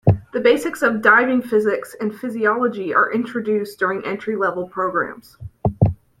The basics of diving physics and physiology are introduced during entry level programs.